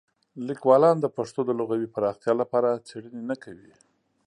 لیکوالان د پښتو د لغوي پراختیا لپاره څېړنې نه کوي.